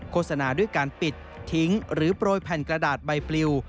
โฆษณาด้วยการปิดทิ้งหรือโปรยแผ่นกระดาษใบปลิว